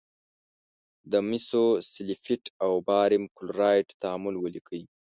د مسو سلفیټ او باریم کلورایډ تعامل ولیکئ.